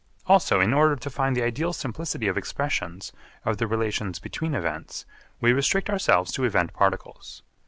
Also in order to find the ideal simplicity of expressions of the relations between events, we restrict ourselves to event particles.